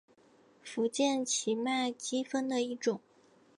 福建畸脉姬蜂的一种。